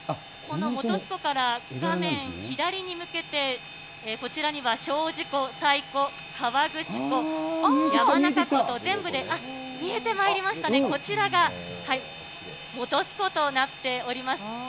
この本栖湖から画面左に向けて、こちらには精進湖、西湖、河口湖、山中湖と、全部で、見えてまいりましたね、こちらが本栖湖となっております。